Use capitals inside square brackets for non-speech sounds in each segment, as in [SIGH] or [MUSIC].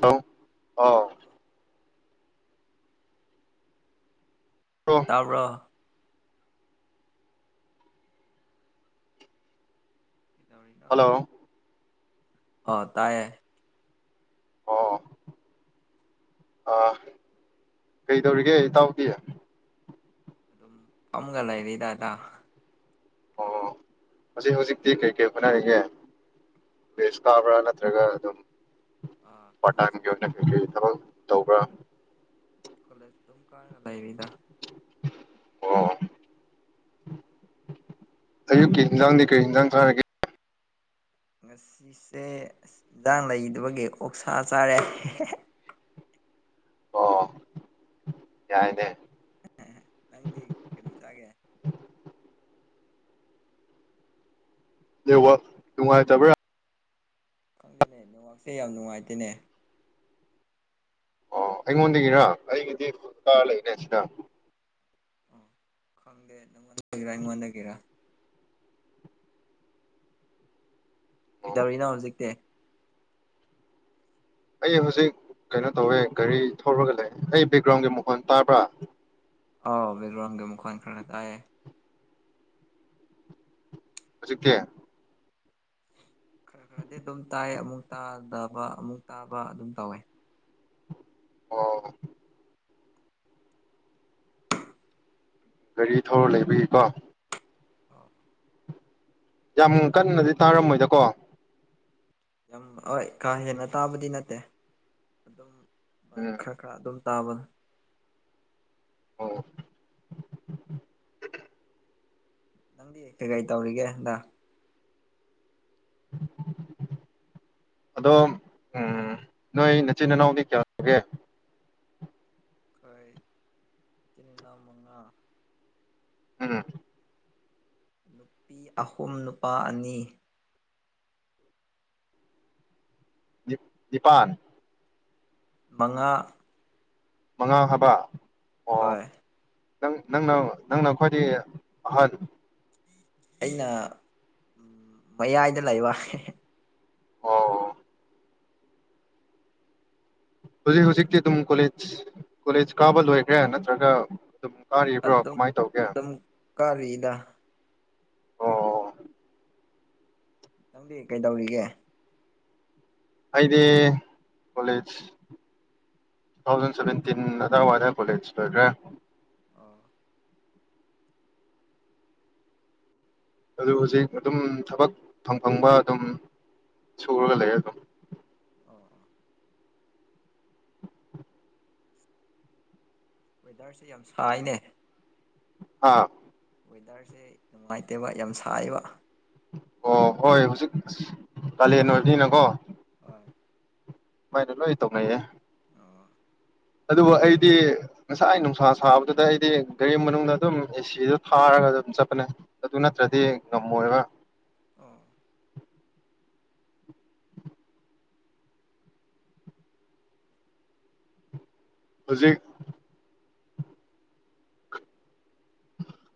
ꯍ ꯑꯥꯎ ꯕ꯭ꯔꯣ ꯇꯥꯕ꯭ꯔꯣ ꯏꯕꯅꯣ [UNINTELLIGIBLE] ꯍꯜꯂꯣ ꯑꯣ ꯇꯥꯏꯌꯦ ꯑꯣ ꯑ ꯀꯩꯗꯧꯔꯤꯒꯦ ꯏꯇꯥꯎꯗꯤ ꯑꯗꯨꯝ ꯑꯃꯒ ꯂꯩꯔꯤꯗꯗ ꯑꯣ ꯑꯁꯤ ꯍꯧꯖꯤꯛꯇꯤ ꯀꯩ ꯀꯩ ꯍꯣꯠꯅꯔꯤꯒꯦ ꯦꯁ ꯀꯥꯕ꯭ꯔꯥ ꯅꯠꯇ꯭ꯔꯒ ꯑꯗꯨꯝ ꯑꯥ ꯀꯣꯂꯦꯖ ꯐꯇꯥꯡꯒꯦ ꯑꯗꯨꯝ ꯐ ꯊ [UNINTELLIGIBLE] ꯇꯧꯕ꯭ꯔꯥ ꯀꯣꯂ ꯇ ꯀꯥꯏ ꯂꯔꯤꯗ ꯑꯣ ꯑꯌꯨꯛꯀꯤ ꯏꯟꯖꯥꯡꯗꯤ ꯀꯔꯤ ꯌꯦꯟꯖꯥꯡ ꯊꯥꯔꯒꯦ ꯉꯁꯤꯁꯦ ꯏꯟꯖꯥꯡ ꯂꯩꯗꯕꯒꯤ ꯑꯣꯛꯁꯥ ꯆꯥꯔꯦ ꯑꯣ ꯌꯥꯏꯅꯦ ꯅꯪꯗꯤ ꯀꯔꯤ ꯆꯥꯒꯦ ꯅꯦ ꯋꯥꯛ ꯅꯨꯡꯉꯥꯏ ꯇꯕ꯭ꯔꯥ ꯈꯪꯗꯦꯅꯦ ꯅꯦꯋꯥꯛꯁꯦ ꯌꯥꯝ ꯅꯨꯡꯉꯥꯏꯇꯦꯅꯦ ꯑꯣ ꯑꯩꯉꯣꯟꯗꯒꯤꯔ ꯑꯩꯒꯤꯗꯤ ꯐ ꯂꯩꯅꯦ ꯁꯤꯗ ꯑꯣ ꯈꯪꯗꯦ ꯅꯪꯅꯥ ꯃꯣꯏꯒꯤꯔꯥ ꯑꯩꯉꯣꯟꯗꯒꯤꯔꯥ ꯑꯣ ꯀꯩꯗꯧꯔꯤꯅꯣ ꯍꯧꯖꯤꯛꯇꯤ ꯑꯩ ꯍꯧꯖꯤꯛ ꯀꯩꯅꯣ ꯇꯧꯋꯦ ꯒꯥꯔꯤ ꯊꯧꯔꯒ ꯂꯩ ꯑꯩ ꯕꯦꯛꯒ꯭ꯔꯥꯎꯟꯒꯤ ꯃꯈꯣꯟ ꯇꯥꯕ꯭ꯔꯥ ꯑꯥꯎ ꯕꯦꯛꯒ꯭ꯔꯥꯎꯟꯒꯤ ꯃꯈꯣꯟ ꯈꯔ ꯇꯥꯏꯌꯦ ꯍꯧꯖꯤꯛꯇꯤ ꯈꯔ ꯈꯔꯗꯤ ꯑꯗꯨꯝ ꯇꯥꯏ ꯑꯃꯨꯛ ꯇꯥꯗꯕ ꯑꯃꯨꯛ ꯇꯥꯕ ꯑꯗꯨꯝ ꯇꯧꯋꯦ ꯑꯣ ꯒꯥꯔꯤ ꯊꯧꯔ ꯂꯩꯕꯒꯤꯀꯣ ꯑ [INAUDIBLE] ꯌꯥꯝ ꯀꯟꯅꯗꯤ ꯇꯥꯔꯝꯃꯣꯏꯗꯀꯣ ꯌꯥꯝ ꯍꯣꯏ ꯀꯥ ꯍꯦꯟꯅ ꯇꯥꯕꯗꯤ ꯅꯠꯇꯦ ꯑꯗꯨꯝ ꯑ ꯎꯝ ꯈꯔꯥ ꯈꯔꯥ ꯑꯗꯨꯝ ꯇꯥꯕꯜ ꯑꯣ ꯅꯪꯗꯤ ꯀꯩꯀꯩ ꯇꯧꯔꯤꯒꯦ ꯍꯟꯗꯛ ꯑꯗꯣ ꯎꯃ ꯅꯣꯏ ꯅꯆꯤꯟ ꯅꯅꯥꯎꯗꯤ ꯀꯌꯥ ꯁꯨꯒꯦ ꯈꯣꯏ ꯏꯆꯤꯟ ꯅꯥꯎ ꯃꯉꯥ ꯎꯃ ꯅꯨꯄꯤ ꯑꯍꯨꯝ ꯅꯨꯄꯥ ꯑꯅꯤ ꯅꯤꯄꯥꯟ ꯃꯉꯥ ꯃꯉꯥ ꯍꯥꯕ ꯍꯣꯏ ꯅꯪ ꯅꯪꯅ ꯅꯪꯅ ꯈ꯭ꯋꯥꯏꯗꯤꯒꯤ ꯑꯍꯜ ꯑꯩꯅ ꯃꯌꯥꯏꯗ ꯂꯩꯕ ꯑꯣ ꯍꯧꯖꯤꯛ ꯍꯧꯖꯤꯛꯇꯤ ꯑꯗꯨꯝ ꯀꯣꯂꯦꯖ ꯀꯣꯂꯦꯖ ꯀꯥꯕ ꯂꯣꯏꯈ꯭ꯔꯦ ꯅꯠꯇ꯭ꯔꯒ ꯑꯗꯨꯝ ꯀꯥꯔꯤꯕ꯭ꯔꯣ ꯀꯃꯥꯏꯅ ꯇꯧꯒꯦ ꯗ ꯑꯣ ꯅꯪꯗꯤ ꯀꯩꯗꯧꯔꯤꯒꯦ ꯑꯩꯗꯤ ꯀꯣꯂꯦꯖ ꯊꯥꯎꯖꯟ ꯁꯚꯦꯟꯇꯤꯟ ꯑꯗꯥꯏꯋꯥꯏꯗ ꯀꯣꯂꯦꯖ ꯂꯣꯏꯈ꯭ꯔꯦ ꯑꯣ ꯑꯗꯨ ꯍꯧꯖꯤꯛ ꯑꯗꯨꯝ ꯊꯕꯛ ꯐꯪ ꯐꯪꯕ ꯑꯗꯨꯝ ꯁꯨꯔꯒ ꯂꯩ ꯑꯗꯨꯝ ꯑꯣ ꯑꯣ ꯋꯦꯗꯔꯁꯦ ꯌꯥꯝ ꯁꯥꯏꯅꯦ ꯍꯥ ꯋꯦꯗꯔꯁꯦ ꯅꯨꯡꯉꯥꯏꯇꯦꯕ ꯌꯥꯝ ꯁꯥꯏꯕ ꯑꯣ ꯍꯣꯏ ꯍꯧꯖꯤꯛ ꯀꯥꯂꯦꯟ ꯑꯣꯏꯕꯅꯤꯅꯀꯣ ꯍꯣꯏ [INAUDIBLE] ꯁꯨꯃꯥꯏꯅ ꯂꯣꯏ ꯇꯧꯅꯩꯌꯦ ꯑꯣ ꯑꯗꯨꯕꯨ ꯑꯩꯗꯤ ꯉꯁꯥꯏ ꯅꯨꯡꯁꯥ ꯁꯥꯕꯗꯨꯗ ꯑꯩꯗꯤ ꯒꯥꯔꯤ ꯃꯅꯨꯡꯗ ꯑꯗꯨꯝ ꯑꯦꯁꯤꯗ ꯊꯥꯔꯒ ꯑꯗꯨꯝ ꯆꯠꯄꯅꯦ ꯑꯗꯨ ꯅꯠꯇ꯭ꯔꯗꯤ ꯉꯝꯃꯣꯏꯕ ꯑꯣ ꯍꯧꯖꯤꯛ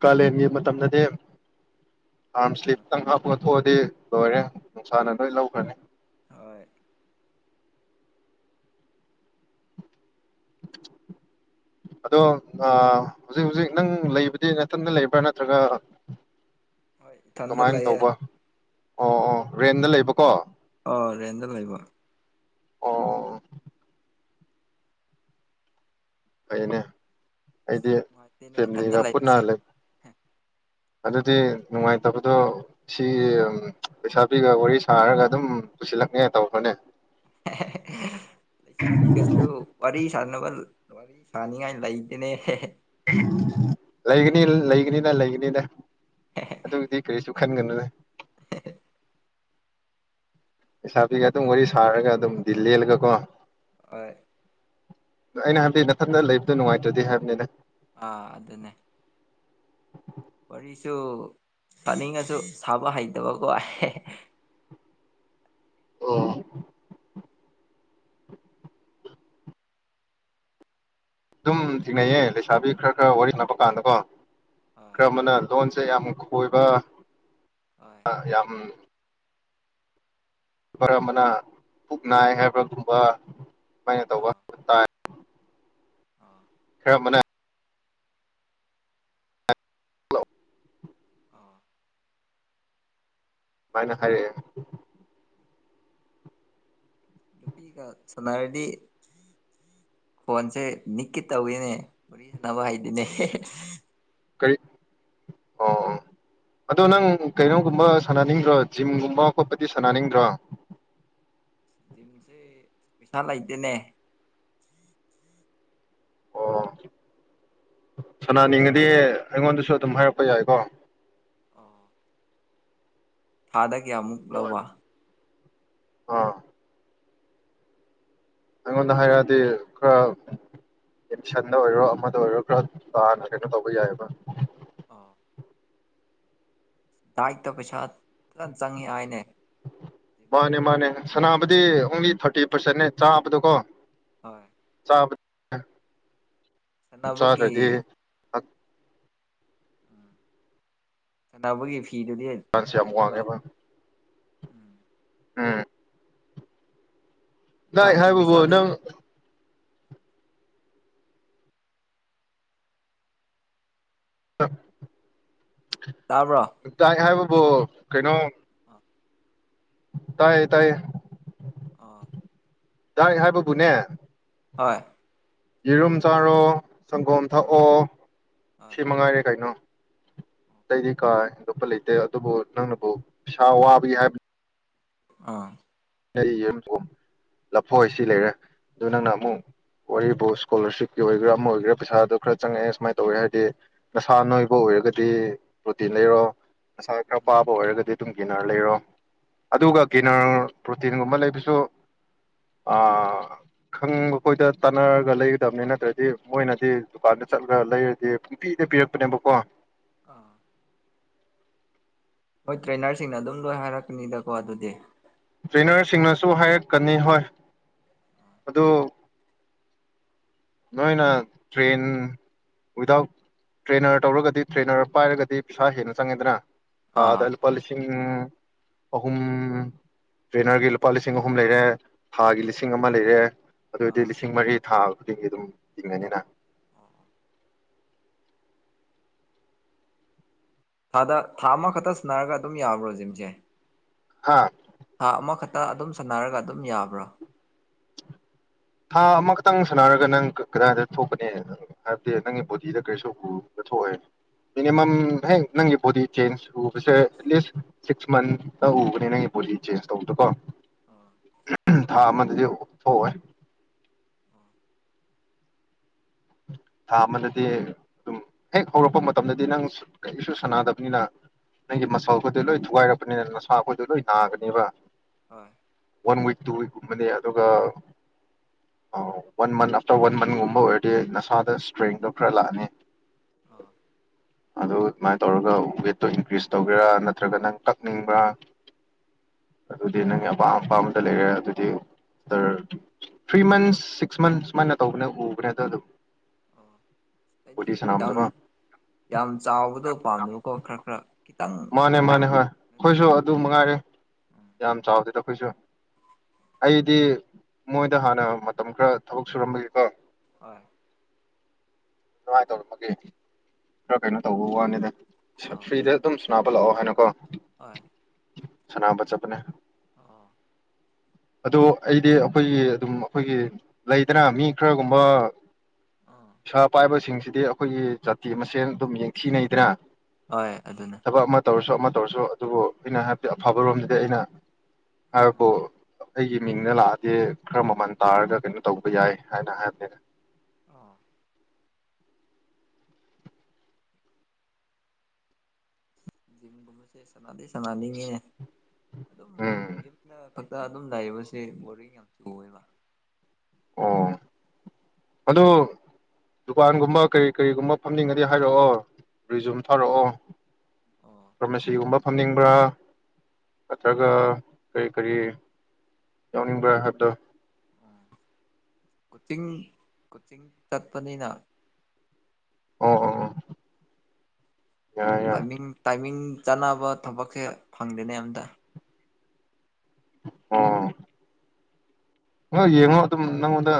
ꯀꯥꯂꯦꯟꯒꯤ ꯃꯇꯝꯗꯗꯤ ꯑꯥꯔꯝ ꯑꯣ ꯏꯁ꯭ꯂꯤꯞꯇꯪ ꯍꯥꯞꯄꯊꯣꯛꯑꯗꯤ ꯂꯣꯏꯔꯦ ꯅꯨꯡꯁꯥꯅ ꯂꯣꯏ ꯂꯧꯈ꯭ꯔꯅꯤ ꯍꯣꯏ ꯑꯗꯣ ꯍꯧꯖꯤꯛ ꯍꯧꯖꯤꯛ ꯅꯪ ꯂꯩꯕꯗꯤ ꯅꯊꯟꯗ ꯂꯩꯕ꯭ꯔꯥ ꯅꯠꯇ꯭ꯔꯒ ꯑꯩ ꯏꯊꯟꯗ ꯀꯃꯥꯏꯅ ꯂꯩꯌꯦ ꯇꯧꯕ ꯑꯣ ꯑꯣ ꯔꯦꯟꯗ ꯂꯩꯕꯀꯣ ꯑ ꯔꯦꯟꯗ ꯂꯕ ꯑꯣ ꯑꯣ ꯐꯩꯌꯦꯅꯦ ꯑꯁ ꯑꯩꯗꯤ ꯅꯨꯡꯉꯥꯏꯇꯦꯅꯦ ꯏꯊꯟꯇ ꯐꯦꯃꯤꯂꯤꯒ ꯄꯨꯅ ꯂꯩꯕꯁꯦ ꯂꯩ ꯑꯗꯨꯗꯤ ꯅꯨꯡꯉꯥꯏꯇꯕꯗꯣ ꯁꯤ ꯂꯩꯁꯥꯕꯤꯒ ꯋꯥꯔꯤ ꯁꯥꯔꯒ ꯑꯗꯨꯝ ꯄꯨꯁꯤꯜꯂꯛꯅꯤꯉꯥꯏ ꯇꯧꯈ꯭ꯔꯣꯅꯦ ꯂꯩꯁꯥꯕꯤꯒꯁꯨ ꯋꯥꯔꯤ ꯁꯥ ꯁꯥꯟꯅꯕ ꯋꯥꯔꯤ ꯁꯥꯅꯤꯡꯉꯥꯏ ꯂꯩꯇꯅꯦ ꯂꯩꯒꯅꯤ ꯂꯩꯒꯅꯤꯗ ꯂꯩꯒꯅꯤꯗ ꯑꯗꯨꯒꯤꯗꯤ ꯀꯔꯤꯁꯨ ꯈꯟꯒꯅꯨꯅꯦ ꯂꯩꯁꯥꯕꯤꯒ ꯑꯗꯨꯝ ꯋꯥꯔꯤ ꯁꯥꯔꯒ ꯑꯗꯨꯝ ꯗꯤꯜ ꯂꯦꯜꯂꯒꯀꯣ ꯑ ꯑꯩꯅ ꯍꯥꯏꯕꯗꯤ ꯃꯅꯥꯊꯟꯗ ꯂꯩꯕꯗꯣ ꯅꯨꯡꯉꯥꯏꯇ꯭ꯔꯗꯤ ꯍꯥꯏꯕꯅꯦꯗ ꯑꯥ ꯑꯗꯨꯗꯅꯦ ꯍꯝ ꯋꯥꯔꯤꯁꯨ ꯇꯥꯅꯤꯡꯉꯁꯨ ꯁꯥꯕ ꯍꯩꯇꯕꯀꯣ ꯑꯣ ꯑꯗꯨꯝ ꯊꯤꯡꯅꯩꯌꯦ ꯂꯩꯁꯥꯕꯤ ꯈꯔ ꯈꯔ ꯋꯥꯔꯤ ꯁꯟꯅꯕ ꯀꯥꯟꯗꯀꯣ ꯍꯣꯏ ꯀ꯭ꯔꯃꯅ ꯂꯣꯟꯁꯦ ꯌꯥꯝꯃꯨꯛ ꯀꯣꯏꯕ ꯍꯣꯏ ꯑ ꯌꯥꯝ ꯄꯔ ꯑꯃꯅ ꯄꯨꯛ ꯅꯥꯏ ꯍꯥꯏꯕꯒꯨꯝꯕ ꯃꯥꯏꯅ ꯇꯧꯕ ꯑꯣ ꯈꯔ ꯃꯅꯥ ꯍꯜꯂꯣ ꯑꯥ ꯃꯥꯏꯅ ꯍꯥꯏꯔꯦ ꯅꯨꯄꯤꯒ ꯁꯥꯟꯅꯔꯗꯤ ꯐꯣꯟꯁꯦ ꯅꯤꯛꯀꯤ ꯇꯧꯏꯅꯦ ꯃꯔꯤ ꯁꯦꯅꯕ ꯍꯥꯏꯗꯤꯅꯦ ꯀꯔꯤ ꯑꯣ ꯑꯗꯣ ꯅꯪ ꯀꯩꯅꯣꯒꯨꯝꯕ ꯁꯥꯟꯅꯅꯤꯡꯗ꯭ꯔꯣ ꯖꯤꯝꯒꯨꯝꯕ ꯈꯣꯠꯄꯗꯤ ꯁꯥꯟꯅꯅꯤꯡꯗ꯭ꯔꯣ ꯁꯦ ꯄꯩꯁꯥ ꯂꯩꯥꯗꯦꯅꯦ ꯑꯣ ꯁꯅꯥꯅꯤꯡꯉꯗꯤ ꯑꯩꯉꯣꯟꯗꯁꯨ ꯑꯗꯨꯝ ꯍꯥꯏꯔꯛꯄ ꯌꯥꯏꯀꯣ ꯑꯣ ꯊꯥꯗꯦ ꯀꯌꯥꯃꯨꯛ ꯂꯧꯕ ꯑꯥ ꯑꯩꯉꯣꯟꯗ ꯍꯥꯏꯔꯛꯑꯗꯤ ꯈꯔ ꯑꯦꯝꯁꯟꯗ ꯑꯣꯏꯔꯣ ꯑꯃꯗ ꯑꯣꯏꯔꯣ ꯈꯔ ꯇꯥꯅ ꯀꯩꯅꯣ ꯇꯧꯕ ꯌꯥꯏꯑꯕ ꯑꯥ ꯗꯥꯏꯛꯇ ꯄꯩꯁꯥ ꯇ ꯆꯪꯉꯦ ꯍꯥꯏꯅꯦ ꯖꯤꯝ ꯃꯥꯅꯦ ꯁꯥꯟꯅꯕꯁꯦ ꯃꯥꯅꯦ ꯁꯅꯥꯝ ꯗꯤ ꯑꯣꯡꯂꯤ ꯊꯥꯔꯇꯤ ꯄꯥꯔꯁꯦꯟꯅ ꯆꯥꯕꯗ ꯀꯣ ꯍꯣꯏ [INAUDIBLE] ꯁꯥꯟꯅꯕꯒꯤ ꯆꯂꯗꯤ ꯀ ꯂꯕꯒꯤ ꯐ ꯀꯤꯔꯗꯤ ꯆꯥꯟꯁ ꯌꯥꯝ ꯂꯑꯕ ꯋꯥꯡꯉꯦꯕ ꯎꯝ ꯑꯝ ꯍꯥꯏꯥꯏ ꯗꯥꯏꯠꯀꯤ ꯕꯕꯨ ꯄꯩꯁꯥꯗꯨ ꯅꯪ ꯑ ꯇꯥꯕ꯭ꯔꯣ ꯇꯥꯏ ꯍꯥꯏꯕ ꯣ ꯀꯩꯅꯣ ꯇꯥꯏꯌꯦ ꯇꯥꯏꯌꯦ ꯑꯥ ꯇ ꯍꯥꯏ ꯕꯨꯨꯅꯦ ꯍꯣꯏ ꯌꯦꯔꯨꯝ ꯆꯥꯔꯣ ꯁꯪꯒꯣꯝ ꯑꯥ ꯊꯛꯑꯣ ꯁꯤ ꯃꯉꯥꯏꯔꯦ ꯀꯩꯅꯣ ꯑꯇꯩꯗꯤ ꯀꯥꯏ ꯑꯦꯟꯗꯣꯞꯄ ꯂꯩꯇꯦ ꯑꯗꯨꯕꯨ ꯅꯪꯅꯕꯨ ꯄꯩꯁꯥ ꯋꯥꯕꯒꯤ ꯍꯥꯏꯕꯅꯤ ꯑꯥ ꯂꯞꯐꯣ ꯁꯤ ꯂꯩꯔꯦ ꯑꯗꯨ ꯅꯪꯅ ꯑꯃꯨꯛ ꯋꯥꯔꯤꯕꯨ ꯏꯁꯀꯣꯂꯔꯁꯤꯞꯀꯤ ꯑꯣꯏꯒꯦꯔꯥ ꯑꯃ ꯑꯣꯏꯒꯦꯔꯥ ꯄꯩꯁꯥꯗꯣ ꯈꯔ ꯆꯪꯉꯛꯑꯦ ꯁꯨꯃꯥꯏꯅ ꯇꯧꯋꯦ ꯍꯥꯏꯗꯤ ꯅꯁꯥ ꯅꯣꯏꯕ ꯑꯣꯏꯔꯒꯗꯤ ꯄ꯭ꯔꯣꯇꯤꯟ ꯂꯩꯔꯣ ꯅꯁꯥ ꯈꯔ ꯄꯥꯕ ꯑꯣꯏꯔꯒꯗꯤ ꯑꯗꯨꯝ ꯒꯤꯅꯔ ꯂꯩꯔꯣ ꯑꯗꯨꯒ ꯒꯤꯅꯔ ꯄ꯭ꯔꯣꯇꯤꯟꯒꯨꯝꯕ ꯂꯩꯕꯁꯨ ꯈꯪꯕꯈꯣꯏꯗ ꯇꯥꯟꯅꯔꯒ ꯂꯩꯒꯗꯕꯅꯤ ꯅꯠꯇ꯭ꯔꯗꯤ ꯃꯣꯏꯅꯗꯤ ꯗꯨꯀꯥꯟꯗ ꯆꯠꯂꯒ ꯂꯩꯔꯗꯤ ꯄꯨꯡꯄꯤꯤꯗ ꯄꯤꯔꯛꯄꯅꯦꯕꯀꯣ ꯑꯥ ꯍꯣꯏ ꯇ꯭ꯔꯦꯅꯔꯁꯤꯡꯅ ꯑꯗꯨꯝ ꯂꯣꯏ ꯍꯥꯏꯔꯛꯀꯅꯤꯗꯀꯣ ꯑꯗꯨꯗꯤ ꯇ꯭ꯔꯦꯅꯔꯁꯤꯡꯅꯁꯨ ꯍꯥꯏꯔꯛꯀꯅꯤ ꯍꯣꯏ ꯑꯗꯨ ꯅꯣꯏꯅ ꯇ꯭ꯔꯦꯟ ꯋꯤꯗꯥꯎꯠ ꯇ꯭ꯔꯦꯅꯔ ꯇꯧꯔꯒꯗꯤ ꯇ꯭ꯔꯦꯅꯔ ꯄꯥꯏꯔꯒꯗꯤ ꯄꯩꯁꯥ ꯍꯦꯟꯅ ꯆꯪꯉꯦꯗꯅ ꯑꯥ ꯍꯗꯜ ꯄꯂꯤꯁꯤ ꯎꯝ ꯑꯍꯨꯝ ꯇ꯭ꯔꯦꯅꯔꯒꯤ ꯂꯨꯄꯥ ꯂꯤꯁꯤꯡ ꯑꯍꯨꯝ ꯂꯩꯔꯦ ꯊꯥꯒꯤ ꯂꯤꯁꯤꯡ ꯑꯃ ꯂꯩꯔꯦ ꯑꯗꯨꯑꯣꯏꯗꯤ ꯑꯥ ꯂꯤꯁꯤꯡ ꯃꯔꯤ ꯊꯥ ꯑꯗꯨꯝ ꯇꯤꯡꯉꯅꯤꯅ ꯑꯣ ꯑꯥꯗ ꯊꯥ ꯑꯃꯈꯛꯇ ꯁꯟꯅꯔꯒ ꯑꯗꯨꯝ ꯌꯥꯕ꯭ꯔꯣ ꯖꯤꯝꯁꯦ ꯍꯥ ꯑꯥ ꯃ ꯈ ꯇ ꯑꯗꯨꯝ ꯁꯥꯟꯅꯔꯒ ꯑꯗꯨꯝ ꯌꯥꯕ꯭ꯔꯥ ꯊꯥ ꯑꯃꯈꯛꯇꯪ ꯁꯥꯟꯅꯔꯒ ꯅꯪ ꯀꯗꯥꯏꯗ ꯊꯣꯛꯄꯅꯦ ꯍꯥꯏꯕꯗꯤ ꯅꯪꯒꯤ ꯕꯣꯗꯤꯗ ꯀꯔꯤꯁꯨ ꯊꯣꯛꯑꯦ ꯎꯝ ꯃꯅꯤꯃꯝ ꯍ ꯅꯪ ꯕꯣꯗꯤ ꯆꯦꯟꯖ ꯎꯕꯁꯦ ꯑꯦꯠꯂꯤꯁ ꯁꯤꯛꯁ ꯃꯟꯇ ꯎꯕꯅꯤ ꯅꯪꯒꯤ ꯕꯣꯗꯤ ꯆꯦꯟꯖ ꯇꯧꯕꯗꯀꯣ ꯊꯥ ꯑꯃꯗꯗꯤ ꯊꯣꯛꯑꯣꯦ ꯊꯥ ꯑꯃꯗꯗꯤ ꯑꯗꯨꯝ ꯍꯦꯛ ꯍꯧꯔꯛꯄ ꯃꯇꯝꯗꯗꯤ ꯅꯪ ꯀꯩꯀꯩꯁꯨ ꯁꯥꯟꯅꯗꯕꯅꯤꯅ ꯅꯪꯒꯤ ꯃꯁꯜ ꯑꯩꯈꯣꯏꯗꯣ ꯂꯣꯏ ꯊꯨꯒꯥꯏꯔꯛꯄꯅꯤꯅ ꯅꯁꯥ ꯑꯩꯈꯣꯏꯗꯣ ꯂꯣꯏ ꯅꯥꯒꯅꯦꯕ ꯍꯣꯏ ꯋꯥꯟ ꯋꯤꯛ ꯇꯨ ꯋꯤꯛꯀꯨꯝꯕꯅꯤ ꯑꯗꯨꯒ ꯋꯥꯟ ꯃꯟ ꯑꯥꯐꯇꯔ ꯋꯥꯟ ꯃꯟꯒꯨꯝꯕ ꯑꯣꯏꯔ ꯅꯁꯥꯗ ꯏꯁꯇ꯭ꯔꯦꯡꯗꯣ ꯈꯔ ꯂꯥꯛꯑꯅꯤ ꯑꯗꯨ ꯑꯗꯨꯃꯥꯏꯅ ꯇꯧꯔꯒ ꯋꯦꯠꯇꯣ ꯏꯟꯀ꯭ꯔꯤꯁ ꯇꯧꯒꯦꯔꯥ ꯅꯠꯇ꯭ꯔꯒ ꯅꯪ ꯀꯛꯅꯤꯡꯕ꯭ꯔꯥ ꯑꯗꯨꯗꯤ ꯅꯪꯒꯤ ꯑꯄꯥꯝ ꯑꯄꯥꯝꯗ ꯂꯩꯒꯦꯔꯥ ꯑꯗꯨꯗꯤ ꯑꯇꯔ ꯊ꯭ꯔꯤ ꯃꯟꯁ ꯁꯤꯛꯁ ꯃꯟꯁ ꯁꯨꯃꯥꯏꯅ ꯇꯧꯕꯅꯦ ꯎꯕꯅꯦ ꯇ ꯑꯗꯨꯝ ꯑꯩꯗꯤ ꯕꯣꯗꯤ ꯌꯥꯝ ꯁꯅꯥꯝꯗꯃ ꯌꯥꯝ ꯆꯥꯎꯕꯗꯣ ꯄꯥꯝꯗꯕꯀꯣ ꯈꯔ ꯈꯔ ꯈꯤꯇꯪ ꯃꯥꯅꯦ ꯃꯥꯅꯦ ꯍꯣꯏ ꯑꯩꯈꯣꯏꯁꯨ ꯑꯗꯨ ꯃꯉꯥꯏꯔꯦ ꯎꯝ ꯌꯥꯝ ꯆꯥꯎꯗꯦꯗ ꯑꯩꯈꯣꯏꯁꯨ ꯑꯩꯗꯤ ꯃꯣꯏꯗ ꯍꯥꯟꯅ ꯃꯇꯝ ꯈꯔ ꯊꯕꯛ ꯁꯨꯔꯝꯕꯒꯤꯀꯣ ꯑꯥ ꯑꯗꯨꯃꯥꯏ ꯇꯧꯔꯕꯒꯤ ꯈꯔ ꯀꯩꯅꯣ ꯇꯧꯕ ꯋꯥꯅꯤꯗ ꯐꯔ꯭ꯤꯗ ꯑꯗꯨꯝ ꯁꯥꯟꯅꯕ ꯂꯥꯀꯑꯣ ꯍꯥꯏꯅꯀꯣ ꯑꯣꯏ ꯁꯥꯅꯕ ꯆꯠꯄꯅꯦ ꯑꯗꯣ ꯑꯩꯗꯤ ꯑꯩꯈꯣꯏꯒꯤ ꯑꯗꯨꯝ ꯑꯩꯈꯣꯏꯒꯤ ꯂꯩꯗꯅ ꯃꯤ ꯈꯔꯒꯨꯝꯕ ꯑꯥ ꯄꯩꯁꯥ ꯄꯥꯏꯕꯁꯤꯡꯁꯤ ꯗꯤ ꯑꯩꯈꯣꯏꯒꯤ ꯖꯥꯇꯤ ꯃꯁꯦꯟ ꯑꯗꯨꯝ ꯌꯦꯡꯊꯤꯅꯩꯗꯅ ꯍꯣꯏ ꯑꯗꯨꯅꯦ ꯊꯕꯛ ꯑꯃ ꯇꯧꯔꯁꯨ ꯑꯃ ꯇꯧꯔꯁꯨ ꯑꯗꯨꯕꯨ ꯑꯩꯅ ꯍꯥꯏꯕꯗꯤ ꯑꯐꯕꯔꯣꯝꯗꯗꯤ ꯑꯩꯅ ꯍꯥꯏꯕꯕꯨ ꯑꯩꯒꯤ ꯃꯤꯡꯅ ꯂꯥꯛꯑꯗꯤ ꯈꯔ ꯃꯃꯜ ꯇꯥꯔꯒ ꯀꯩꯅꯣ ꯇꯧꯕ ꯌꯥꯏ ꯍꯥꯏꯅ ꯍꯥꯏꯕꯅꯤ ꯑ ꯖꯤꯝꯒꯨꯝꯃꯦꯁꯦ ꯁꯥꯅꯗꯤ ꯁꯟꯅꯥ ꯁꯥꯟꯅꯅꯤꯡꯉꯤꯅꯦ ꯑꯗꯨꯝ ꯎꯝ ꯌꯨꯝꯗ ꯐꯛꯇ ꯑꯗꯨꯝ ꯂꯩꯕꯁꯦ ꯕꯣꯔꯤꯡ ꯌꯥꯝ ꯆꯨꯌꯦꯕ ꯑꯥ ꯑꯗꯨ ꯗꯨꯀꯥꯟꯒꯨꯝꯕ ꯀꯔꯤ ꯀꯔꯤꯒꯨꯝꯕ ꯐꯝꯅꯤꯡꯉꯗꯤ ꯍꯥꯏꯔꯛꯑꯣ ꯔꯤꯖꯨꯝ ꯊꯥꯔꯛꯑꯣ ꯑꯣ ꯐꯥꯔꯃꯥꯁꯤꯒꯨꯝꯕ ꯐꯝꯅꯤꯡꯕ꯭ꯔꯥ ꯅꯠꯇ꯭ꯔꯒ ꯀꯔꯤ ꯀꯔꯤ ꯌꯥꯎꯅꯤꯡꯕ꯭ꯔꯥ ꯍꯥꯏꯕꯗꯣ ꯀꯨꯆꯤꯡ ꯀꯨꯆꯤꯡ ꯆꯠꯄꯅꯤꯅ ꯑ ꯑ ꯇꯥꯏꯃꯤꯡ ꯇꯥꯏꯃꯤꯡ ꯆꯥꯅꯕ ꯊꯕꯛꯁꯦ ꯐꯪꯗꯦꯅꯦ ꯑꯝꯇ ꯑꯥ ꯑ ꯌꯦꯡꯉꯣ ꯑꯗꯨꯝ ꯅꯪꯉꯣꯟꯗ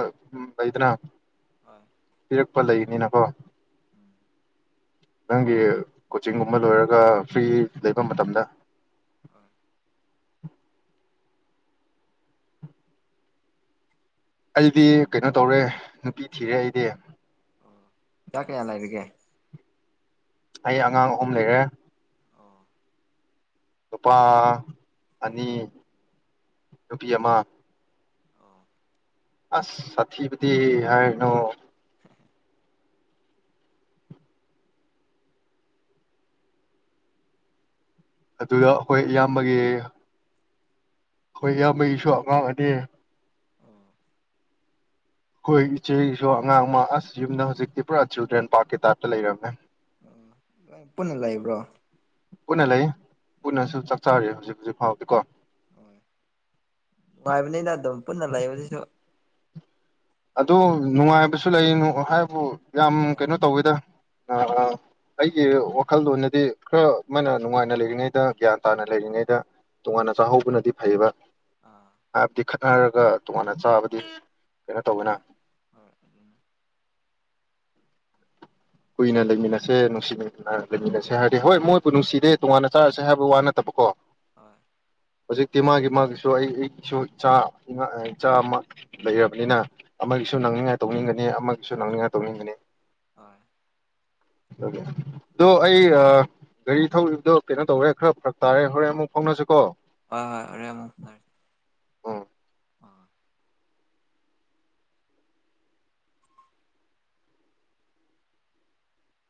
ꯂꯩꯗꯅ ꯍꯣꯏ ꯄꯤꯔꯛꯄ ꯂꯩꯕꯅꯤꯅꯀꯣ ꯎꯝ ꯅꯪꯒꯤ ꯀꯣꯆꯤꯡꯒꯨꯝꯕ ꯂꯣꯏꯔꯒ ꯐ꯭ꯔꯤ ꯂꯩꯕ ꯃꯇꯝꯗ ꯍꯣꯏ ꯑꯩꯗꯤ ꯀꯩꯅꯣ ꯇꯧꯔꯦ ꯅꯨꯄꯤ ꯊꯤꯔꯦ ꯑꯩꯗꯤ ꯑꯣ ꯏꯆꯥ ꯀꯌꯥ ꯂꯩꯔꯒꯦ ꯑꯩ ꯑꯉꯥꯡ ꯑꯍꯨꯝ ꯂꯩꯔꯦ ꯑꯣ ꯅꯨꯄꯥ ꯑꯅꯤ ꯅꯨꯄꯤ ꯑꯃ ꯑꯣ ꯑꯁ ꯁꯥꯊꯤꯕꯗꯤ ꯍꯥꯏꯒꯅꯨ ꯑꯗꯨꯒ ꯑꯩꯈꯣꯏ ꯏꯌꯥꯝꯕꯒꯤ ꯑꯩꯈꯣꯏ ꯏꯌꯥꯝꯕꯩꯁꯨ ꯑꯉꯥꯡ ꯑꯅꯤ ꯑꯣ ꯍꯣꯏ ꯏꯆꯦꯁꯨ ꯑꯉꯥꯡ ꯑꯃ ꯑꯁ ꯌꯨꯝꯗ ꯍꯧꯖꯤꯛ ꯇ꯭ꯔꯤꯄꯨꯔꯥ ꯆꯤꯜꯗ꯭ꯔꯦꯟ ꯄꯥꯔꯛꯀꯤ ꯇꯥꯏꯞꯇ ꯂꯩꯔꯝꯃꯦ ꯑꯣ ꯄꯨꯟꯅ ꯂꯩꯥꯛꯏꯕ꯭ꯔꯣ ꯀꯅꯦ ꯂꯩ ꯄꯨꯟꯅꯁꯨ ꯆꯥꯛꯆꯥꯔꯤ ꯍꯧꯖꯤꯛ ꯍꯧꯖꯤꯛ ꯐꯥꯎꯗꯦ ꯀꯣ ꯅꯨꯡꯉꯥꯏꯕꯅꯤꯅ ꯑꯗꯨꯝ ꯄꯨꯟꯅ ꯂꯩꯕꯗꯨꯁꯨ ꯑꯗꯨ ꯅꯨꯡꯉꯥꯏꯕꯁꯨ ꯂꯩ ꯍꯥꯏꯕꯨ ꯌꯥꯝ ꯍꯣꯏ ꯀꯩꯅꯣ ꯇꯧꯋꯦꯗ ꯑ ꯑꯥ ꯑꯩꯒꯤ ꯋꯥꯈꯜꯂꯣꯟꯗꯗꯤ ꯈꯔ ꯃꯥꯅ ꯅꯨꯡꯉꯥꯏꯅ ꯂꯩꯔꯤꯉꯩꯗ ꯒ꯭ꯌꯥꯟ ꯇꯥꯅ ꯂꯩꯔꯤꯉꯩꯗ ꯇꯣꯉꯥꯟꯅ ꯆꯥꯍꯧꯕꯅꯗꯤ ꯐꯩꯕ ꯑꯥ ꯑꯔ ꯈ ꯇꯣꯉꯥꯟꯅ ꯆꯥꯕꯗꯤ ꯀꯩꯅꯣ ꯇꯧꯕꯅ ꯍꯣꯏ ꯍꯣꯏ ꯑꯗꯨꯅ ꯀꯨꯏꯅ ꯂꯩꯃꯤꯟꯅꯁꯦ ꯅꯨꯡꯁꯤꯟꯅ ꯂꯩꯃꯤꯟꯅꯁꯦ ꯍꯥꯏꯔꯗꯤ ꯍꯣꯏ ꯃꯣꯏꯕꯨ ꯅꯨꯡꯁꯤꯗꯦ ꯇꯣꯉꯥꯟꯅ ꯆꯥꯔꯁꯦ ꯍꯥꯏꯕ ꯋꯥ ꯅꯠꯇꯕꯀꯣ ꯍꯣꯏ ꯍꯧꯖꯤꯛꯇꯤ ꯃꯥꯒꯤ ꯃꯥꯒꯤꯁꯨ ꯑꯩ ꯑꯩꯒꯤꯁꯨ ꯏꯆꯥ ꯏꯆꯥ ꯑꯃ ꯂꯩꯔꯕꯅꯤꯅ ꯑꯃꯒꯤꯁꯨ ꯍꯣꯏ ꯅꯪꯅꯤꯡꯉꯥꯏ ꯇꯧꯅꯤꯡꯒꯅꯤ ꯑꯃꯒꯤꯁꯨ ꯅꯪꯅꯤꯡꯉ ꯇꯧꯅꯤꯡꯕꯅꯤ ꯍꯣꯏ ꯑꯗꯣ ꯑꯩ ꯒꯥꯔꯤ ꯊꯧꯔꯤꯕꯗꯣ ꯀꯩꯅꯣ ꯇꯧꯔꯦ ꯈꯔ ꯐꯔꯛ ꯇꯥꯔꯦ ꯍꯣꯔꯦꯟ ꯑꯃꯨꯛ ꯐꯥꯎꯅꯁꯤꯀꯣ ꯍꯣꯏ ꯍꯣꯏ ꯍꯔꯣꯏ ꯑꯃꯨꯛ ꯍꯟꯅꯔꯒꯦ ꯑ